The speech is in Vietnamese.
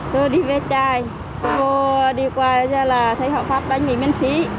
tôi đi về chai vô đi qua ra là thấy họ phát bánh mì miễn phí